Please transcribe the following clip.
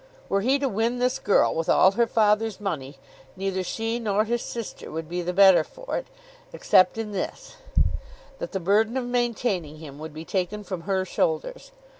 Were he to win this girl with all her father's money, neither she nor his sister would be the better for it, except in this, that the burden of maintaining him would be taken from her shoulders.